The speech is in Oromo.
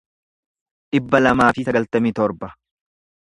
dhibba lamaa fi sagaltamii torba